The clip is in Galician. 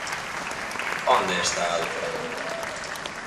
¿Onde está a diferenza?